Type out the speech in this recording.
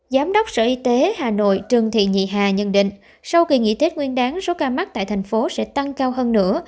giám đốc sở y tế hà nội trương thị nhị hà nhận định sau kỳ nghỉ tết nguyên đáng số ca mắc tại thành phố sẽ tăng cao hơn nữa